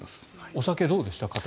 お酒はどうでした？